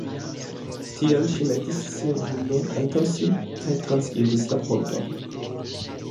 Tial ŝi metis sian hundon antaŭ sin kaj transiris la ponton.